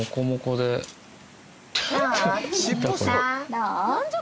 どう？